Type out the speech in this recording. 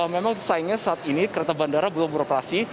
memang sayangnya saat ini kereta bandara belum beroperasi